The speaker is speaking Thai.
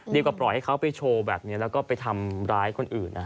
กว่าปล่อยให้เขาไปโชว์แบบนี้แล้วก็ไปทำร้ายคนอื่น